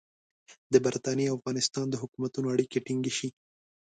د برټانیې او افغانستان د حکومتونو اړیکې ټینګې شي.